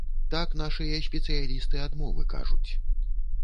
Так нашыя спецыялісты ад мовы кажуць.